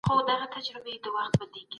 د ژوند حق د قرآن له نظره وګورئ.